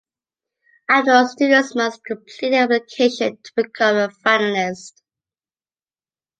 Afterwards students must complete an application to become a Finalist.